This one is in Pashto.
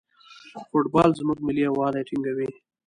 فوټبال زموږ ملي یووالی ټینګوي.